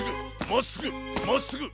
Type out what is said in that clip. まっすぐ！